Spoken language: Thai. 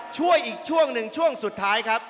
ช่วยอีกช่วงหนึ่งช่วงสุดท้ายครับ